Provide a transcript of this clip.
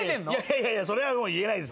いやいやそれは言えないです。